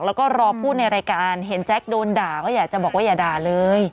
แล้วก็รอพูดในรายการเห็นแจ๊คโดนด่าก็อยากจะบอกว่าอย่าด่าเลย